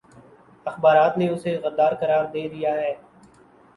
اخبارات نے اسے غدارقرار دے دیاہے